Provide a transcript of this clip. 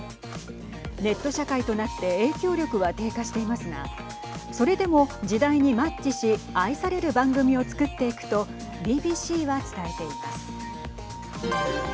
ネット社会となって影響力は低下していますがそれでも、時代にマッチし愛される番組を作っていくとＢＢＣは伝えています。